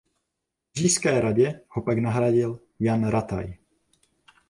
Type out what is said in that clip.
V Říšské radě ho pak nahradil Jan Rataj.